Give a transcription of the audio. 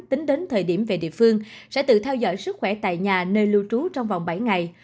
tính đến thời điểm về địa phương sẽ tự theo dõi sức khỏe tại nhà nơi lưu trú trong vòng bảy ngày